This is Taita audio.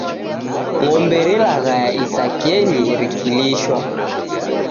Ng'ombe relaghaya isakenyio rikilishwa